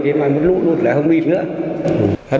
cái ngoài mức lũ lụt là không đi nữa